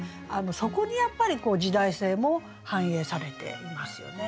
そこにやっぱり時代性も反映されていますよね。